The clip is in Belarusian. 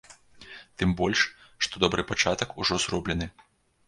Тым больш, што добры пачатак ужо зроблены.